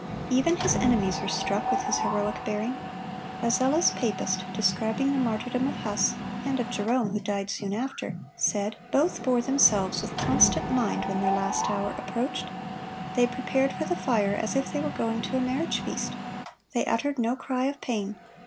Even his enemies were struck with his heroic bearing. A zealous papist, describing the martyrdom of Huss, and of Jerome, who died soon after, said: "Both bore themselves with constant mind when their last hour approached. They prepared for the fire as if they were going to a marriage feast. They uttered no cry of pain.